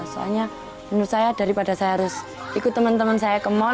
soalnya menurut saya daripada saya harus ikut teman teman saya ke mall